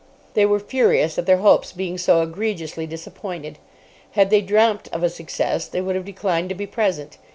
They were furious at their hopes being so egregiously disappointed. Had they dreamt of a success they would have declined to be present.